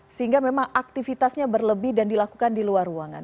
sehingga memang aktivitasnya berlebih dan dilakukan di luar ruangan